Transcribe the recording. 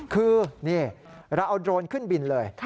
คือนี่เราเอาโดรนขึ้นบินเลย